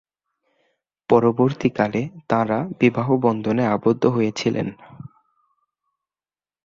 পরবর্তীকালে তাঁরা বিবাহ বন্ধনে আবদ্ধ হয়েছিলেন।